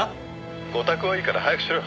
「ご託はいいから早くしろ」